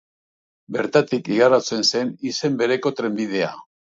Bertatik igarotzen zen izen bereko trenbidea.